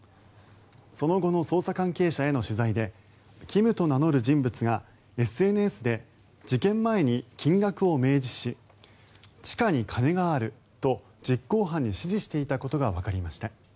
その後の捜査関係者への取材でキムと名乗る人物がＳＮＳで事件前に金額を明示し地下に金があると実行犯に指示していたことがわかりました。